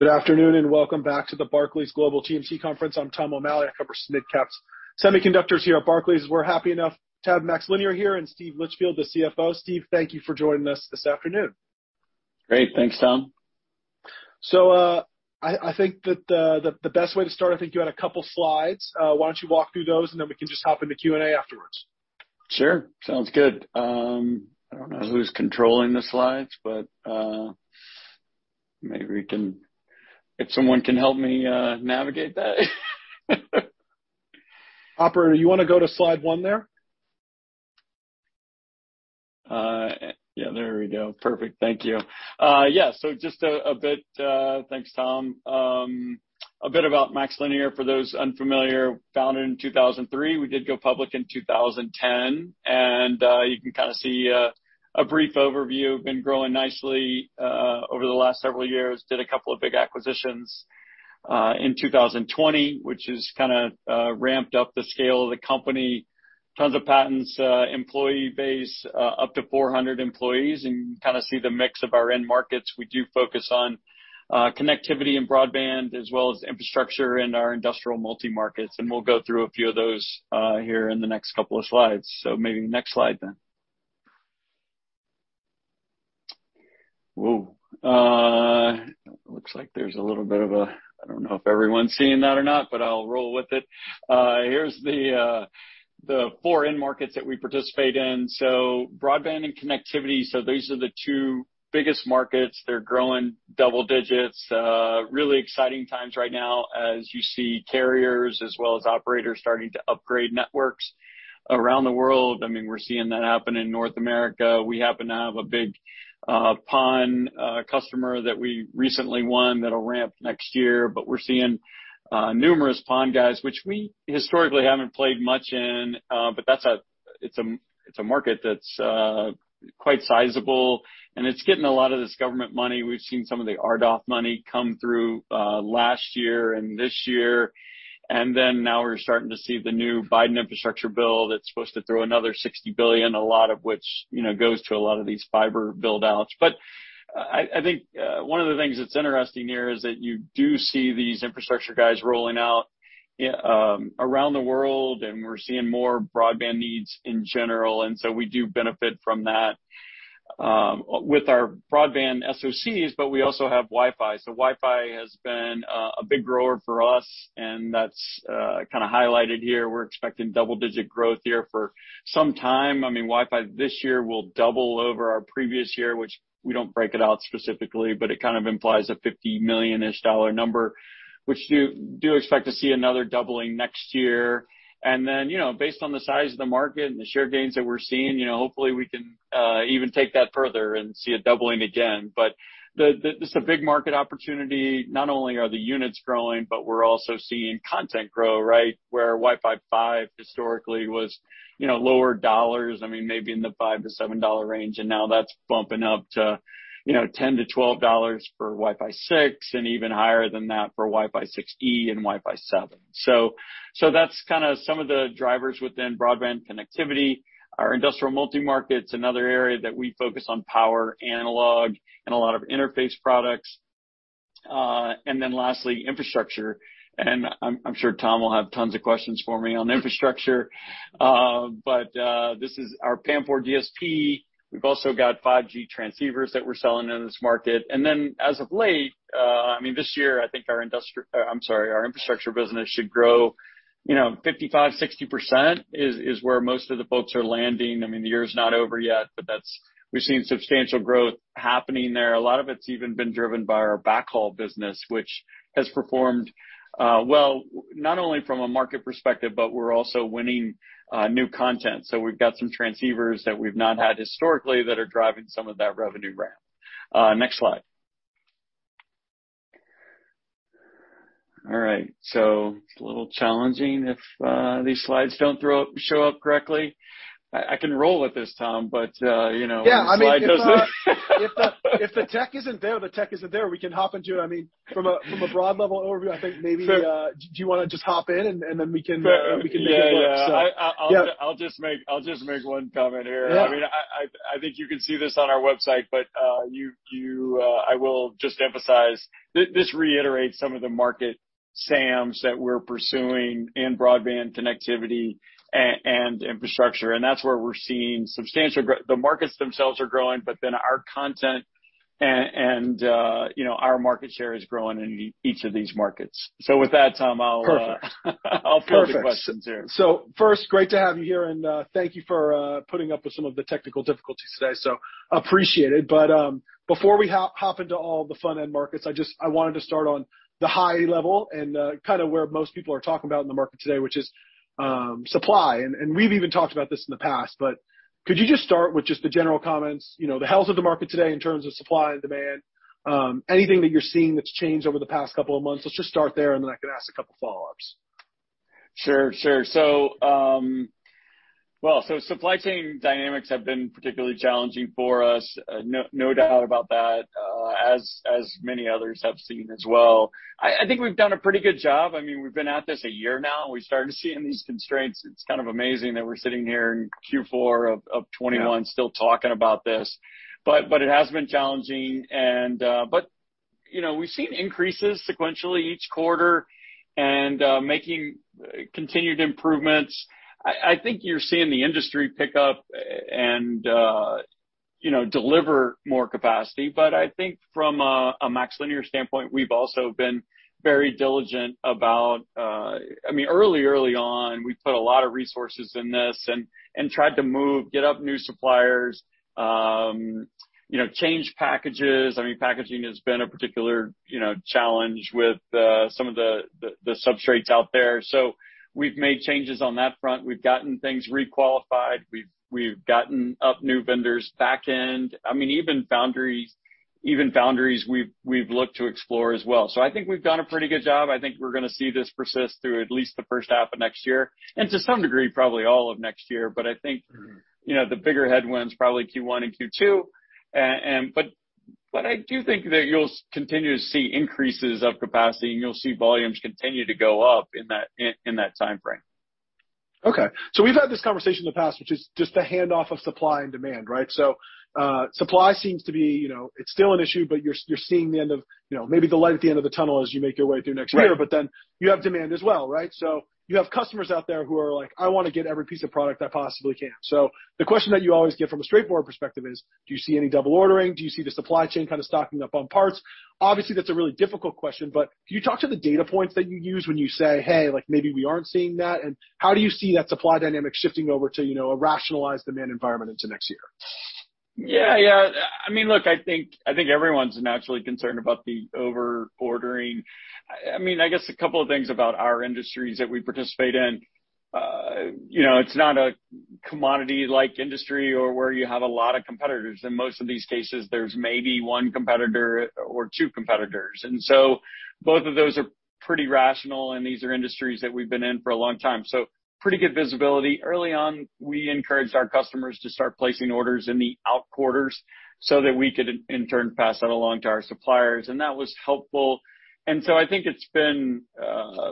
Good afternoon, and welcome back to the Barclays Global TMT Conference. I'm Tom O'Malley. I cover midcaps semiconductors here at Barclays. We're happy to have MaxLinear here and Steve Litchfield, the CFO. Steve, thank you for joining us this afternoon. Great. Thanks, Tom. I think that the best way to start. I think you had a couple slides. Why don't you walk through those, and then we can just hop into Q&A afterwards. Sure. Sounds good. I don't know who's controlling the slides, but maybe we can if someone can help me navigate that. Operator, you wanna go to slide 1 there? Yeah, there we go. Perfect. Thank you. Yeah, so just a bit, thanks, Tom. A bit about MaxLinear for those unfamiliar. Founded in 2003. We did go public in 2010. You can kinda see a brief overview. Been growing nicely over the last several years. Did a couple of big acquisitions in 2020, which has kinda ramped up the scale of the company. Tons of patents, employee base up to 400 employees. You can kinda see the mix of our end markets. We do focus on connectivity and broadband as well as infrastructure in our industrial multi-markets, and we'll go through a few of those here in the next couple of slides. Maybe next slide then. Whoa. Looks like there's a little bit of a. I don't know if everyone's seeing that or not, but I'll roll with it. Here's the 4 end markets that we participate in. Broadband and connectivity, these are the two biggest markets. They're growing double digits. Really exciting times right now as you see carriers as well as operators starting to upgrade networks around the world. I mean, we're seeing that happen in North America. We happen to have a big PON customer that we recently won that'll ramp next year. We're seeing numerous PON guys, which we historically haven't played much in, but that's a market that's quite sizable, and it's getting a lot of this government money. We've seen some of the RDOF money come through last year and this year. Now we're starting to see the new Biden infrastructure bill that's supposed to throw another $60 billion, a lot of which, you know, goes to a lot of these fiber build-outs. I think one of the things that's interesting here is that you do see these infrastructure guys rolling out around the world, and we're seeing more broadband needs in general, and so we do benefit from that with our broadband SoCs, but we also have Wi-Fi. Wi-Fi has been a big grower for us, and that's kinda highlighted here. We're expecting double-digit growth here for some time. I mean, Wi-Fi this year will double over our previous year, which we don't break it out specifically, but it kind of implies a $50 million-ish dollar number, which we do expect to see another doubling next year. you know, based on the size of the market and the share gains that we're seeing, you know, hopefully we can even take that further and see it doubling again. But this is a big market opportunity. Not only are the units growing, but we're also seeing content grow, right? Where Wi-Fi 5 historically was, you know, lower dollars, I mean, maybe in the $5-$7 dollar range, and now that's bumping up to, you know, $10-$12 for Wi-Fi 6 and even higher than that for Wi-Fi 6E and Wi-Fi 7. So that's kinda some of the drivers within broadband connectivity. Our industrial multi-market's another area that we focus on power analog and a lot of interface products. and then lastly, infrastructure. I'm sure Tom will have tons of questions for me on infrastructure. This is our PAM4 DSP. We've also got 5G transceivers that we're selling in this market. As of late, I mean, this year, I think our infrastructure business should grow, you know, 55%-60% is where most of the folks are landing. I mean, the year is not over yet. We've seen substantial growth happening there. A lot of it's even been driven by our backhaul business, which has performed well, not only from a market perspective, but we're also winning new content. We've got some transceivers that we've not had historically that are driving some of that revenue ramp. Next slide. All right, it's a little challenging if these slides don't show up correctly. I can roll with this, Tom, but you know Yeah, I mean. If the slide doesn't If the tech isn't there, the tech isn't there. We can hop into it. I mean, from a broad level overview, I think maybe do you wanna just hop in and then we can make it work. Yeah. I'll just make one comment here. Yeah. I mean, I think you can see this on our website, but you... I will just emphasize. This reiterates some of the market SAMs that we're pursuing in broadband connectivity and infrastructure, and that's where we're seeing substantial growth. The markets themselves are growing, but then our content and, you know, our market share is growing in each of these markets. With that, Tom, I'll Perfect. I'll field the questions here. First, great to have you here, and thank you for putting up with some of the technical difficulties today, so appreciated. Before we hop into all the fun end markets, I wanted to start on the high level and kinda where most people are talking about in the market today, which is supply. We've even talked about this in the past, but could you just start with just the general comments, you know, the health of the market today in terms of supply and demand? Anything that you're seeing that's changed over the past couple of months? Let's just start there, and then I can ask a couple follow-ups. Sure. Well, supply chain dynamics have been particularly challenging for us. No doubt about that, as many others have seen as well. I think we've done a pretty good job. I mean, we've been at this a year now. We started seeing these constraints. It's kind of amazing that we're sitting here in Q4 of 2021- Yeah Still talking about this. It has been challenging and you know, we've seen increases sequentially each quarter and making continued improvements. I think you're seeing the industry pick up and you know, deliver more capacity. I think from a MaxLinear standpoint, we've also been very diligent about. I mean, early on, we put a lot of resources in this and tried to get up new suppliers, you know, change packages. I mean, packaging has been a particular you know, challenge with some of the substrates out there. We've made changes on that front. We've gotten things requalified. We've gotten up new vendors back-end. I mean, even foundries, we've looked to explore as well. I think we've done a pretty good job. I think we're gonna see this persist through at least the first half of next year, and to some degree, probably all of next year. I think Mm-hmm. You know, the bigger headwinds, probably Q1 and Q2. I do think that you'll continue to see increases of capacity, and you'll see volumes continue to go up in that timeframe. Okay. We've had this conversation in the past, which is just the handoff of supply and demand, right? Supply seems to be, you know, it's still an issue, but you're seeing the end of you know, maybe the light at the end of the tunnel as you make your way through next year. Right. You have demand as well, right? You have customers out there who are like, "I wanna get every piece of product I possibly can." The question that you always get from a straightforward perspective is. Do you see any double ordering? Do you see the supply chain kind of stocking up on parts? Obviously, that's a really difficult question, but can you talk to the data points that you use when you say, "Hey, like, maybe we aren't seeing that"? How do you see that supply dynamic shifting over to, you know, a rationalized demand environment into next year? Yeah. Yeah. I mean, look, I think everyone's naturally concerned about the over-ordering. I mean, I guess a couple of things about our industries that we participate in. You know, it's not a commodity-like industry or where you have a lot of competitors. In most of these cases, there's maybe one competitor or two competitors. Both of those are pretty rational, and these are industries that we've been in for a long time. Pretty good visibility. Early on, we encouraged our customers to start placing orders in the out quarters so that we could in turn pass that along to our suppliers, and that was helpful. I think it's been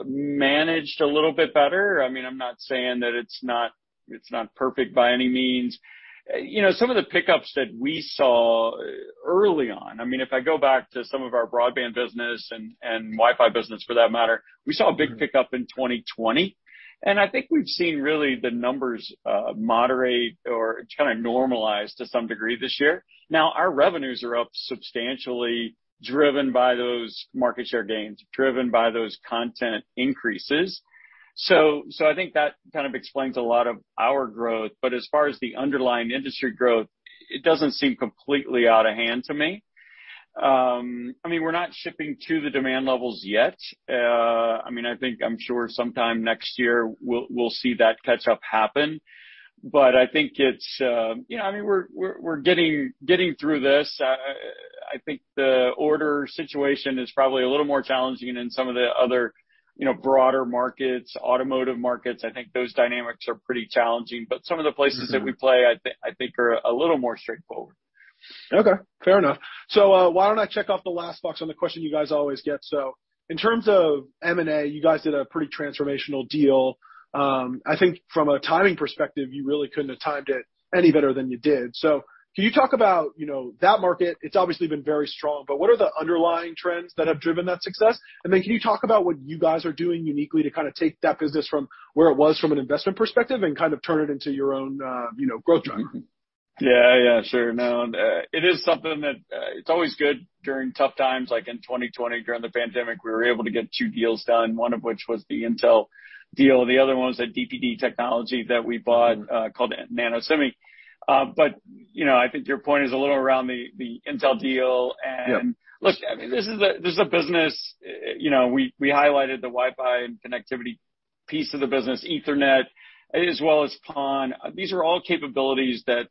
managed a little bit better. I mean, I'm not saying that it's not perfect by any means. You know, some of the pickups that we saw early on, I mean, if I go back to some of our broadband business and Wi-Fi business for that matter, we saw a big pickup in 2020. I think we've seen really the numbers moderate or kind of normalize to some degree this year. Now, our revenues are up substantially, driven by those market share gains, driven by those content increases. So I think that kind of explains a lot of our growth. But as far as the underlying industry growth, it doesn't seem completely out of hand to me. I mean, we're not shipping to the demand levels yet. I mean, I think I'm sure sometime next year we'll see that catch up happen. But I think it's you know, I mean, we're getting through this. I think the order situation is probably a little more challenging in some of the other, you know, broader markets, automotive markets. I think those dynamics are pretty challenging. Some of the places- Mm-hmm. That we play, I think are a little more straightforward. Okay, fair enough. Why don't I check off the last box on the question you guys always get. In terms of M&A, you guys did a pretty transformational deal. I think from a timing perspective, you really couldn't have timed it any better than you did. Can you talk about, you know, that market? It's obviously been very strong, but what are the underlying trends that have driven that success? And then can you talk about what you guys are doing uniquely to kind of take that business from where it was from an investment perspective and kind of turn it into your own, you know, growth driver? Yeah. Yeah. Sure. No, it is something that, it's always good during tough times. Like in 2020, during the pandemic, we were able to get two deals done, one of which was the Intel deal. The other one was a DPD technology that we bought, called NanoSemi. You know, I think your point is a little around the Intel deal. Yeah. Look, I mean, this is a business, you know, we highlighted the Wi-Fi and connectivity piece of the business, Ethernet, as well as PON. These are all capabilities that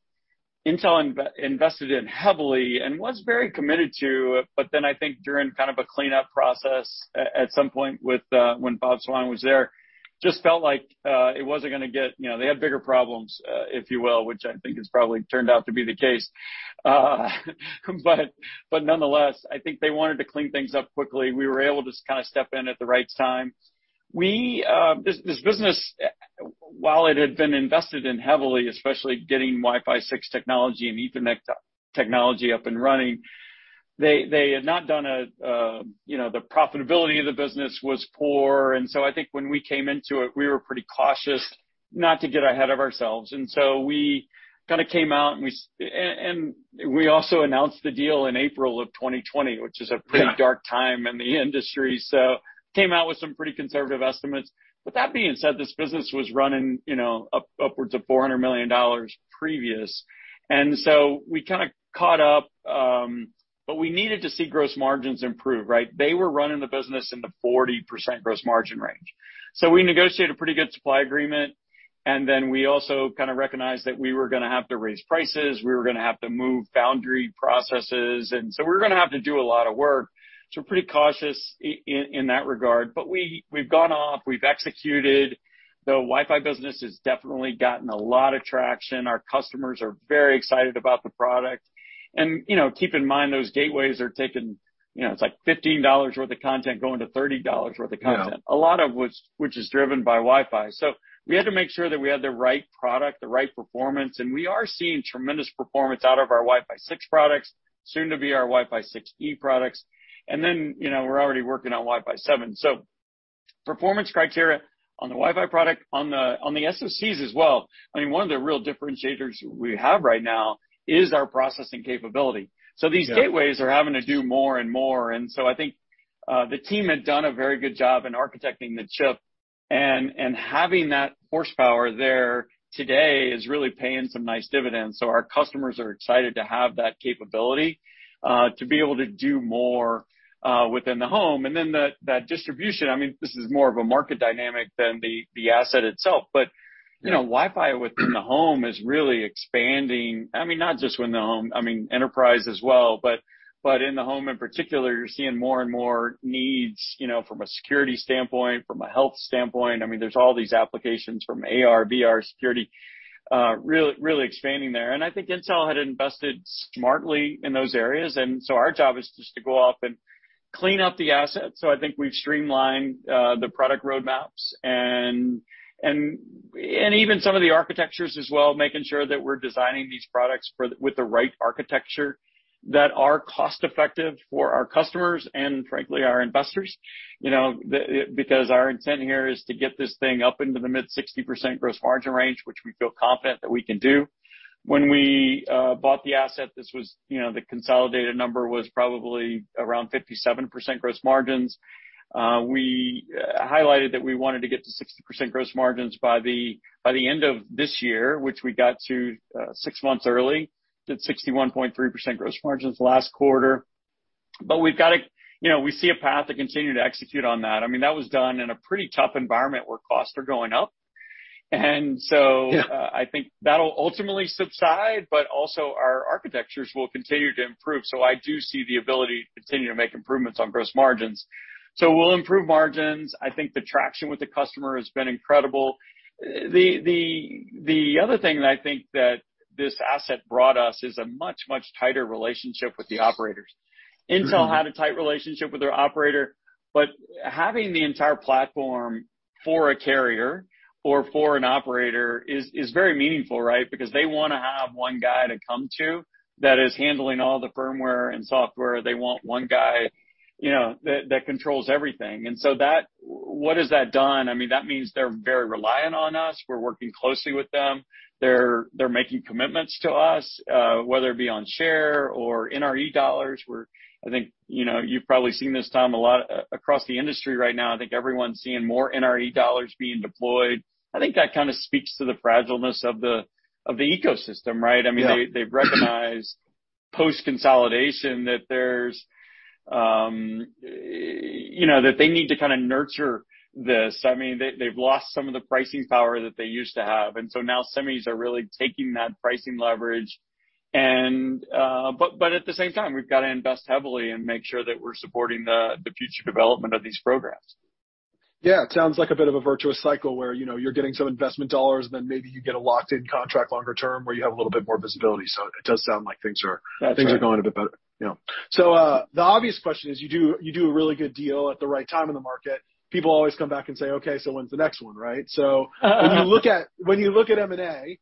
Intel invested in heavily and was very committed to. I think during kind of a cleanup process at some point when Bob Swan was there, just felt like it wasn't gonna get you know, they had bigger problems if you will, which I think has probably turned out to be the case. Nonetheless, I think they wanted to clean things up quickly. We were able to kind of step in at the right time. This business, while it had been invested in heavily, especially getting Wi-Fi 6 technology and Ethernet technology up and running, they had not done, you know, the profitability of the business was poor. I think when we came into it, we were pretty cautious not to get ahead of ourselves. We kind of came out, and we also announced the deal in April 2020, which is a pretty dark time in the industry. Came out with some pretty conservative estimates. That being said, this business was running, you know, upwards of $400 million previous. We kind of caught up, but we needed to see gross margins improve, right? They were running the business in the 40% gross margin range. We negotiated a pretty good supply agreement, and then we also kind of recognized that we were gonna have to raise prices, we were gonna have to move foundry processes. We're gonna have to do a lot of work, so pretty cautious in that regard. But we've gone off, we've executed. The Wi-Fi business has definitely gotten a lot of traction. Our customers are very excited about the product. You know, keep in mind, those gateways are taking, you know, it's like $15 worth of content going to $30 worth of content. Yeah. A lot of which is driven by Wi-Fi. We had to make sure that we had the right product, the right performance, and we are seeing tremendous performance out of our Wi-Fi 6 products, soon to be our Wi-Fi 6E products. You know, we're already working on Wi-Fi 7. Performance criteria on the Wi-Fi product, on the SoCs as well. I mean, one of the real differentiators we have right now is our processing capability. Yeah. These gateways are having to do more and more, and so I think the team had done a very good job in architecting the chip. Having that horsepower there today is really paying some nice dividends. Our customers are excited to have that capability to be able to do more within the home. Then that distribution, I mean, this is more of a market dynamic than the asset itself. You know, Wi-Fi within the home is really expanding. I mean, not just within the home, I mean, enterprise as well. In the home, in particular, you're seeing more and more needs, you know, from a security standpoint, from a health standpoint. I mean, there's all these applications from AR, VR, security, really expanding there. I think Intel had invested smartly in those areas. Our job is just to go off and clean up the asset. I think we've streamlined the product roadmaps and even some of the architectures as well, making sure that we're designing these products with the right architecture that are cost-effective for our customers and frankly, our investors. You know, because our intent here is to get this thing up into the mid-60% gross margin range, which we feel confident that we can do. When we bought the asset, this was, you know, the consolidated number was probably around 57% gross margins. We highlighted that we wanted to get to 60% gross margins by the end of this year, which we got to six months early. We did 61.3% gross margins last quarter. You know, we see a path to continue to execute on that. I mean, that was done in a pretty tough environment where costs are going up. Yeah I think that'll ultimately subside, but also our architectures will continue to improve. I do see the ability to continue to make improvements on gross margins. We'll improve margins. I think the traction with the customer has been incredible. The other thing that I think that this asset brought us is a much, much tighter relationship with the operators. Intel had a tight relationship with their operator, but having the entire platform for a carrier or for an operator is very meaningful, right? Because they wanna have one guy to come to that is handling all the firmware and software. They want one guy, you know, that controls everything. That, what has that done? I mean, that means they're very reliant on us. We're working closely with them. They're making commitments to us, whether it be on share or NRE dollars. I think, you know, you've probably seen this, Tom, a lot across the industry right now. I think everyone's seeing more NRE dollars being deployed. I think that kinda speaks to the fragility of the ecosystem, right? Yeah. I mean, they've recognized post-consolidation that there's, you know, that they need to kinda nurture this. I mean, they've lost some of the pricing power that they used to have. Now semis are really taking that pricing leverage. But at the same time, we've got to invest heavily and make sure that we're supporting the future development of these programs. Yeah. It sounds like a bit of a virtuous cycle where, you know, you're getting some investment dollars, and then maybe you get a locked-in contract longer term where you have a little bit more visibility. It does sound like things are. That's right. Things are going a bit better, yeah. The obvious question is, you do a really good deal at the right time in the market. People always come back and say, "Okay, so when's the next one," right? When you look at M&A,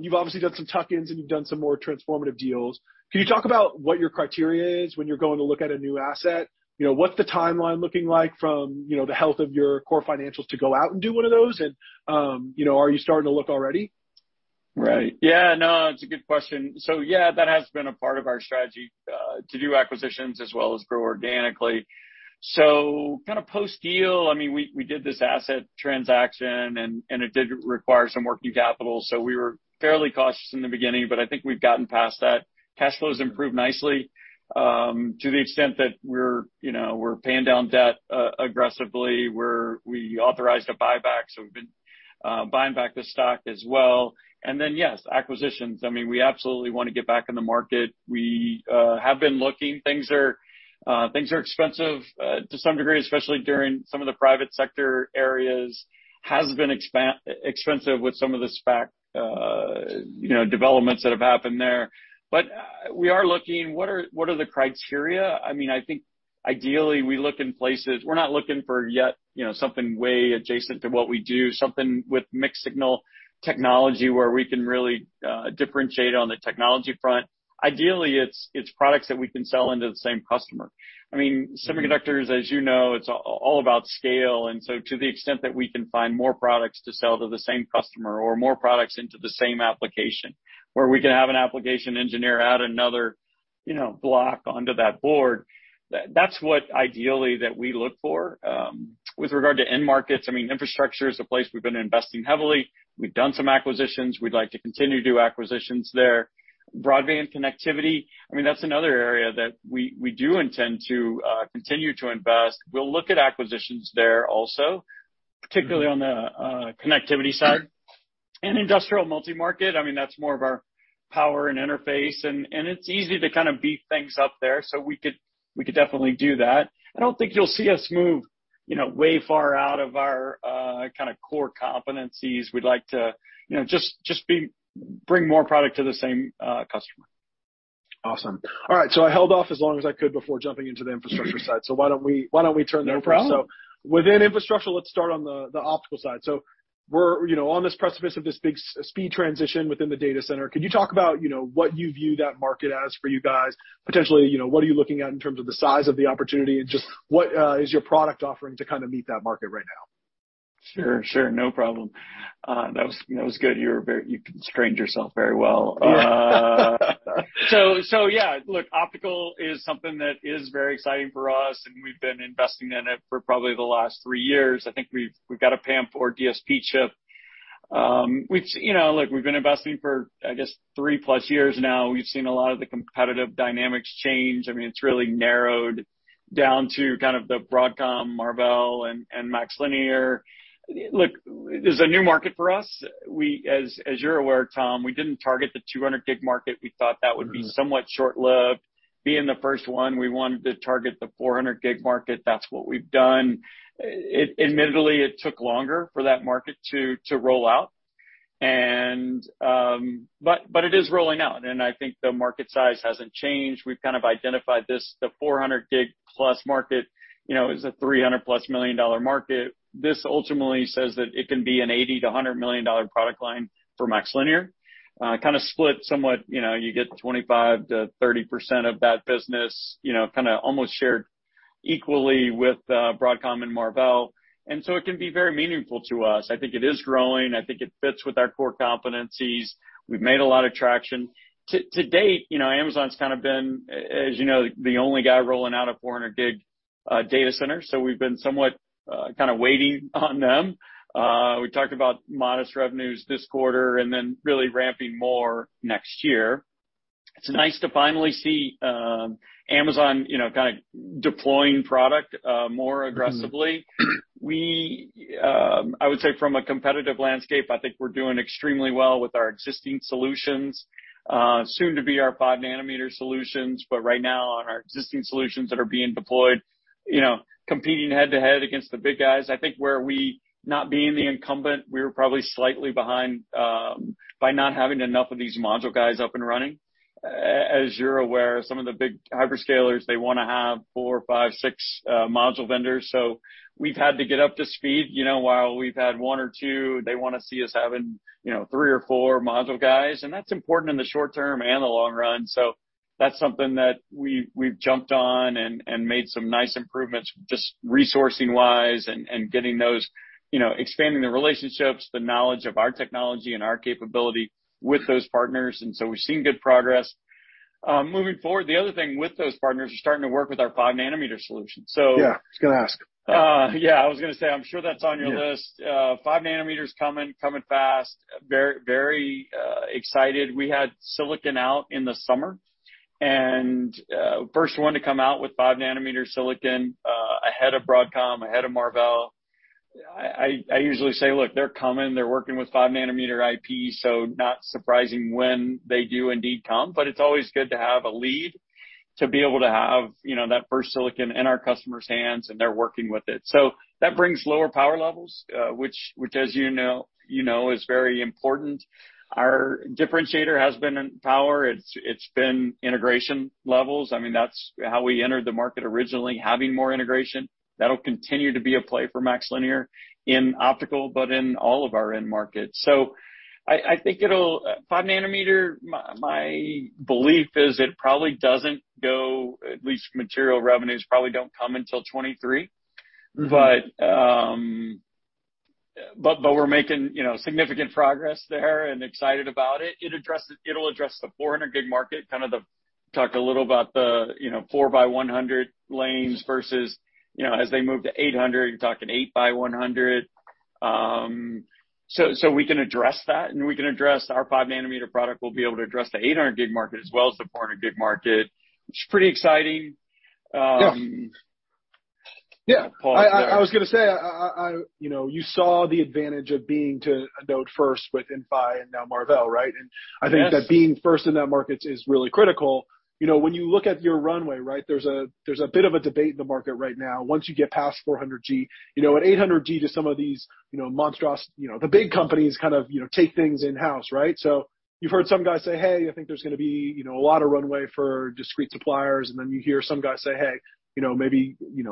you've obviously done some tuck-ins, and you've done some more transformative deals. Can you talk about what your criteria is when you're going to look at a new asset? You know, what's the timeline looking like from, you know, the health of your core financials to go out and do one of those? You know, are you starting to look already? Right. Yeah, no, it's a good question. Yeah, that has been a part of our strategy to do acquisitions as well as grow organically. Kinda post-deal, I mean, we did this asset transaction and it did require some working capital, so we were fairly cautious in the beginning, but I think we've gotten past that. Cash flow's improved nicely to the extent that we're, you know, paying down debt aggressively. We authorized a buyback, so we've been buying back the stock as well. Yes, acquisitions. I mean, we absolutely wanna get back in the market. We have been looking. Things are expensive to some degree, especially during some of the private sector areas, has been expensive with some of the SPAC, you know, developments that have happened there. We are looking. What are the criteria? I mean, I think ideally, we look in places. We're not looking for yet, you know, something way adjacent to what we do, something with mixed-signal technology where we can really differentiate on the technology front. Ideally, it's products that we can sell into the same customer. I mean, semiconductors, as you know, it's all about scale. To the extent that we can find more products to sell to the same customer or more products into the same application, where we can have an application engineer add another, you know, block onto that board, that's what ideally that we look for. With regard to end markets, I mean, infrastructure is a place we've been investing heavily. We've done some acquisitions. We'd like to continue to do acquisitions there. Broadband connectivity, I mean, that's another area that we do intend to continue to invest. We'll look at acquisitions there also. Mm-hmm particularly on the connectivity side. Industrial multi-market, I mean, that's more of our power and interface, and it's easy to kind of beef things up there, so we could definitely do that. I don't think you'll see us move, you know, way far out of our kinda core competencies. We'd like to, you know, just bring more product to the same customer. Awesome. All right, so I held off as long as I could before jumping into the infrastructure side. Why don't we turn there first? No problem. Within infrastructure, let's start on the optical side. We're, you know, on this precipice of this big speed transition within the data center. Could you talk about, you know, what you view that market as for you guys? Potentially, you know, what are you looking at in terms of the size of the opportunity, and just what is your product offering to kind of meet that market right now? Sure. No problem. That was good. You constrained yourself very well. So yeah. Look, optical is something that is very exciting for us, and we've been investing in it for probably the last three years. I think we've got a PAM4 DSP chip, which, you know, look, we've been investing for, I guess, three-plus years now. We've seen a lot of the competitive dynamics change. I mean, it's really narrowed down to kind of the Broadcom, Marvell, and MaxLinear. Look, it's a new market for us. As you're aware, Tom, we didn't target the 200G market. We thought that would be somewhat short-lived. Being the first one, we wanted to target the 400G market. That's what we've done. It admittedly took longer for that market to roll out and. It is rolling out, and I think the market size hasn't changed. We've kind of identified this, the 400G plus market, you know, is a $300+ million market. This ultimately says that it can be an $80-$100 million product line for MaxLinear. Kind of split somewhat. You know, you get 25%-30% of that business, you know, kinda almost shared equally with Broadcom and Marvell. It can be very meaningful to us. I think it is growing. I think it fits with our core competencies. We've made a lot of traction. To date, you know, Amazon's kind of been, as you know, the only guy rolling out a 400G data center, so we've been somewhat kind of waiting on them. We talked about modest revenues this quarter and then really ramping more next year. It's nice to finally see Amazon, you know, kind of deploying product more aggressively. I would say from a competitive landscape, I think we're doing extremely well with our existing solutions. Soon to be our 5nm solutions, but right now on our existing solutions that are being deployed, you know, competing head-to-head against the big guys. I think where we, not being the incumbent, we were probably slightly behind by not having enough of these module guys up and running. As you're aware, some of the big hyperscalers, they wanna have 4, 5, 6 module vendors, so we've had to get up to speed. You know, while we've had one or two, they wanna see us having, you know, three or four module guys, and that's important in the short term and the long run. That's something that we've jumped on and made some nice improvements just resourcing-wise and getting those, you know, expanding the relationships, the knowledge of our technology and our capability with those partners. We've seen good progress. Moving forward, the other thing with those partners, they're starting to work with our 5 nm solution, so. Yeah, I was gonna ask. Yeah, I was gonna say, I'm sure that's on your list. Yeah. 5nm is coming fast. Very excited. We had silicon out in the summer and first one to come out with 5nm silicon ahead of Broadcom, ahead of Marvell. I usually say, look, they're coming, they're working with 5nm IP, so not surprising when they do indeed come. It's always good to have a lead to be able to have, you know, that first silicon in our customers' hands, and they're working with it. That brings lower power levels, which as you know is very important. Our differentiator has been in power. It's been integration levels. I mean, that's how we entered the market originally, having more integration. That'll continue to be a play for MaxLinear in optical, but in all of our end markets. I think it'll 5nm, my belief is it probably doesn't go, at least material revenues probably don't come until 2023. Mm-hmm. We're making, you know, significant progress there and excited about it. It'll address the 400 gig market, kind of the. Talked a little about the, you know, 4 by 100 lanes versus, you know, as they move to 800, you're talking 8 by 100. So we can address that, and we can address our 5nm product. We'll be able to address the 800 gig market as well as the 400 gig market, which is pretty exciting. Yeah. I was gonna say, you know, you saw the advantage of being a node first with Inphi and now Marvell, right? Yes. I think that being first in that market is really critical. You know, when you look at your runway, right, there's a, there's a bit of a debate in the market right now. Once you get past 400G, you know, at 800G to some of these, you know, monstrous, you know, the big companies kind of, you know, take things in-house, right? You've heard some guys say, "Hey, I think there's gonna be, you know, a lot of runway for discrete suppliers." Then you hear some guys say, "Hey, you know, maybe, you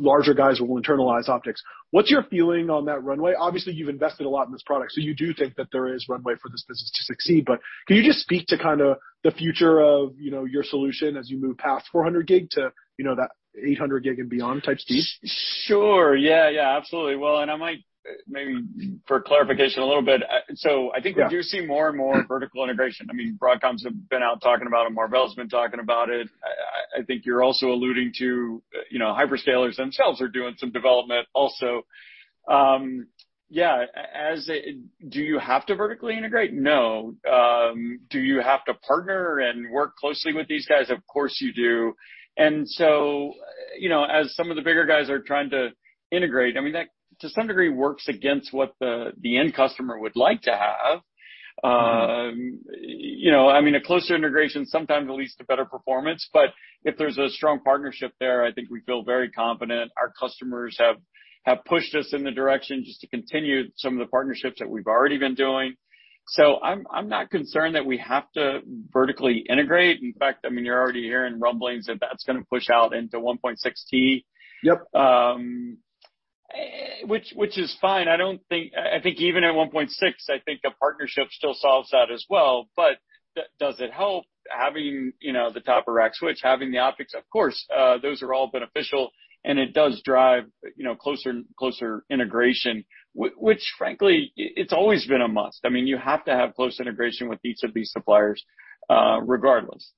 know, larger guys will internalize optics." What's your feeling on that runway? Obviously, you've invested a lot in this product, so you do think that there is runway for this business to succeed. Can you just speak to kinda the future of, you know, your solution as you move past 400G to, you know, that 800G and beyond type speed? Sure. Yeah, absolutely. Well, I might maybe for clarification a little bit. Yeah. I think we do see more and more vertical integration. I mean, Broadcom's been out talking about it, Marvell's been talking about it. I think you're also alluding to, you know, hyperscalers themselves are doing some development also. Do you have to vertically integrate? No. Do you have to partner and work closely with these guys? Of course you do. You know, as some of the bigger guys are trying to integrate, I mean, that to some degree works against what the end customer would like to have. You know, I mean, a closer integration sometimes leads to better performance, but if there's a strong partnership there, I think we feel very confident. Our customers have pushed us in the direction just to continue some of the partnerships that we've already been doing. I'm not concerned that we have to vertically integrate. In fact, I mean, you're already hearing rumblings that that's gonna push out into 1.6T. Yep. Which is fine. I think even at 1.6, I think a partnership still solves that as well. Does it help having the top of rack switch, having the optics? Of course, those are all beneficial, and it does drive closer integration which frankly it's always been a must. I mean, you have to have close integration with each of these suppliers, regardless.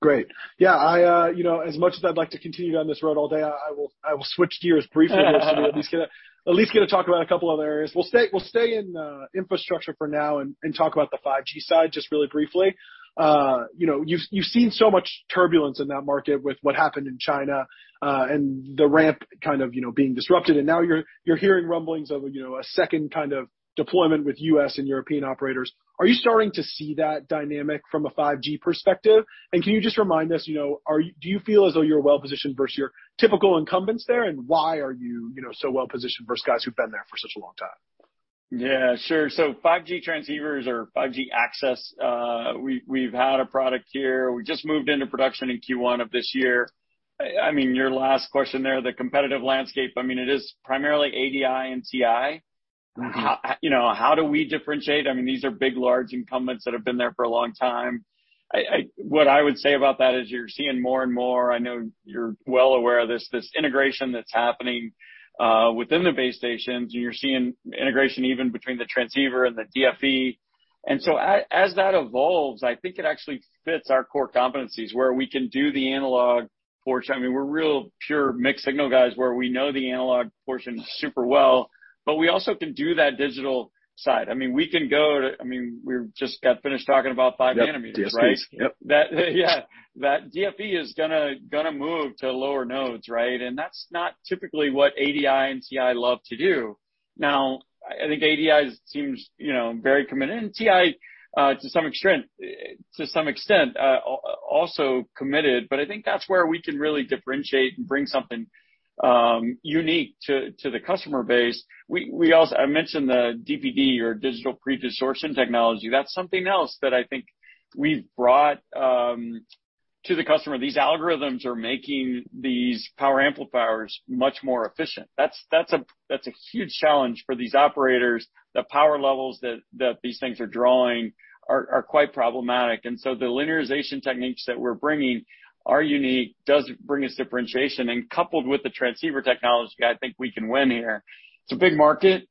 Great. Yeah, I you know, as much as I'd like to continue down this road all day, I will switch gears briefly just to at least get to talk about a couple other areas. We'll stay in infrastructure for now and talk about the 5G side just really briefly. You know, you've seen so much turbulence in that market with what happened in China and the ramp kind of you know, being disrupted. Now you're hearing rumblings of a you know, a second kind of deployment with U.S. and European operators. Are you starting to see that dynamic from a 5G perspective? Can you just remind us, you know, do you feel as though you're well-positioned versus your typical incumbents there, and why are you know, so well-positioned versus guys who've been there for such a long time? Yeah, sure. 5G transceivers or 5G access, we've had a product here. We just moved into production in Q1 of this year. I mean, your last question there, the competitive landscape, I mean, it is primarily ADI and TI. Mm-hmm. How, you know, how do we differentiate? I mean, these are big, large incumbents that have been there for a long time. What I would say about that is you're seeing more and more, I know you're well aware of this integration that's happening within the base stations, and you're seeing integration even between the transceiver and the DFE. As that evolves, I think it actually fits our core competencies, where we can do the analog portion. I mean, we're real pure mixed signal guys, where we know the analog portion super well, but we also can do that digital side. I mean, we just got finished talking about 5nm, right? Yep, DFEs. Yep. Yeah, that DFE is gonna move to lower nodes, right? That's not typically what ADI and TI love to do. Now, I think ADI seems, you know, very committed, and TI to some extent also committed, but I think that's where we can really differentiate and bring something unique to the customer base. We also mentioned the DPD or digital pre-distortion technology. That's something else that I think we've brought to the customer. These algorithms are making these power amplifiers much more efficient. That's a huge challenge for these operators. The power levels that these things are drawing are quite problematic. The linearization techniques that we're bringing are unique, does bring us differentiation, and coupled with the transceiver technology, I think we can win here. It's a big market,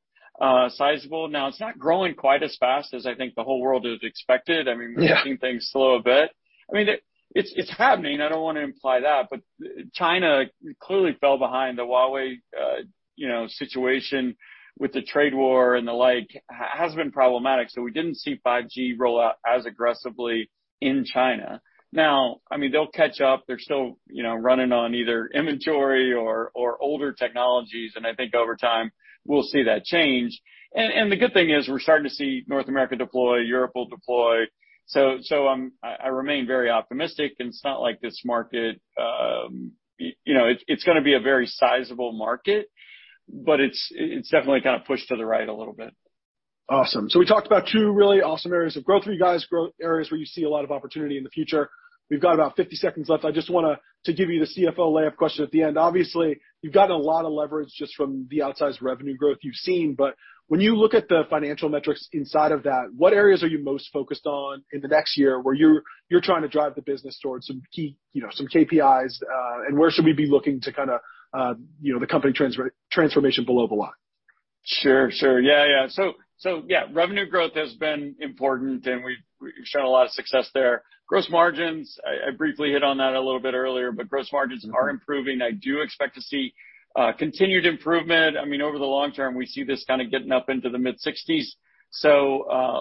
sizable. Now, it's not growing quite as fast as I think the whole world had expected. Yeah. I mean, we're seeing things slow a bit. I mean, it's happening. I don't wanna imply that. China clearly fell behind. The Huawei you know situation with the trade war and the like has been problematic. We didn't see 5G roll out as aggressively in China. Now, I mean, they'll catch up. They're still you know running on either inventory or older technologies, and I think over time, we'll see that change. The good thing is we're starting to see North America deploy, Europe will deploy. I remain very optimistic, and it's not like this market. You know, it's gonna be a very sizable market, but it's definitely kind of pushed to the right a little bit. Awesome. We talked about two really awesome areas of growth for you guys, growth areas where you see a lot of opportunity in the future. We've got about 50 seconds left. I just wanna give you the CFO layup question at the end. Obviously, you've gotten a lot of leverage just from the outsized revenue growth you've seen, but when you look at the financial metrics inside of that, what areas are you most focused on in the next year where you're trying to drive the business towards some key, you know, some KPIs, and where should we be looking to kinda, you know, the company transformation below the line? Sure. Yeah. So yeah, revenue growth has been important, and we've shown a lot of success there. Gross margins, I briefly hit on that a little bit earlier, but gross margins are improving. I do expect to see continued improvement. I mean, over the long term, we see this kinda getting up into the mid-60s%.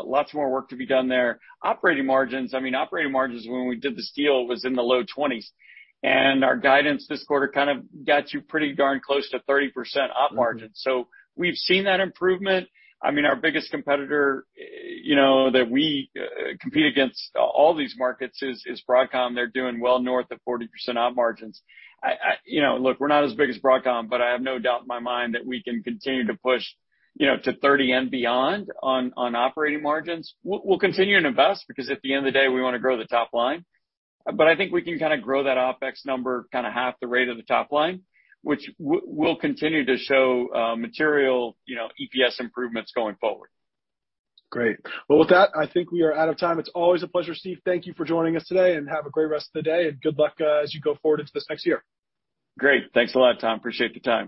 Lots more work to be done there. Operating margins, I mean, when we did this deal, was in the low 20s%. Our guidance this quarter kind of got you pretty darn close to 30% op margin. Mm-hmm. We've seen that improvement. I mean, our biggest competitor, you know, that we compete against all these markets is Broadcom. They're doing well north of 40% operating margins. You know, look, we're not as big as Broadcom, but I have no doubt in my mind that we can continue to push, you know, to 30% and beyond on operating margins. We'll continue to invest because at the end of the day, we wanna grow the top line. But I think we can kinda grow that OpEx number kinda half the rate of the top line, which will continue to show material, you know, EPS improvements going forward. Great. Well, with that, I think we are out of time. It's always a pleasure, Steve. Thank you for joining us today and have a great rest of the day, and good luck as you go forward into this next year. Great. Thanks a lot, Tom. I appreciate the time.